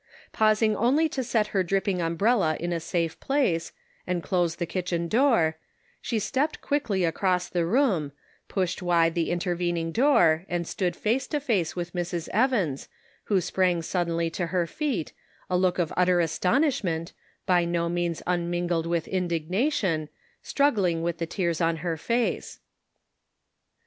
Pausing only to set her dripping um brella in a safe place, and close the kitchen door, she stepped quickly across the room, pushed wide the intervening door, and stood face to face with Mrs. Evans, who sprang suddenly to her feet, a look of utter astonish ment, by no means unmingled with indignation, struggling with the tears on her face.